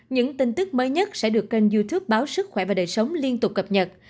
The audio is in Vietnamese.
những tin tức mới nhất sẽ được kênh youtube báo sức khỏe và đời sống liên tục cập nhật